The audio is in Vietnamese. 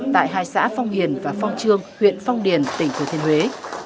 tại hai xã phong hiền và phong trương huyện phong điền tỉnh thừa thiên huế